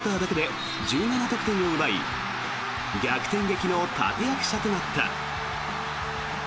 比江島は第４クオーターだけで１７得点を奪い逆転劇の立役者となった。